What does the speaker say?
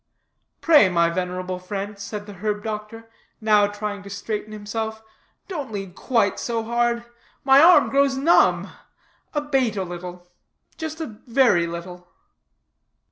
"Pray, my venerable friend," said the herb doctor, now trying to straighten himself, "don't lean quite so hard; my arm grows numb; abate a little, just a very little."